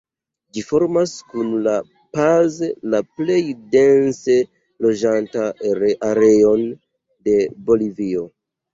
Ĝi formas kun La Paz la plej dense loĝatan areon de Bolivio.